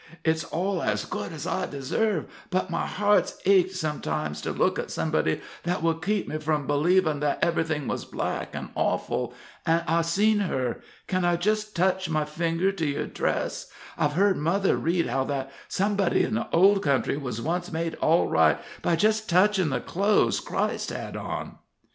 "It's all as good as I deserve; but my heart's ached sometimes to look at somebody that would keep me from b'leevin' that ev'rything was black an' awful. And I've seen her. Can I just touch my finger to your dress? I've heard mother read how that somebody in the Old Country was once made all right by just touchin' the clothes Christ had on."